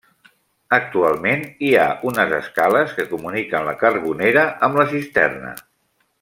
Actualment, hi ha unes escales que comuniquen la carbonera amb la cisterna.